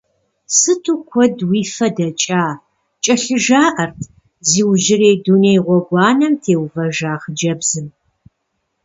Сыту куэд уи фэ дэкӏа! — кӏэлъыжаӏэрт, зи иужьрей дуней гъуэгуанэм теувэжа хъыджэбзым.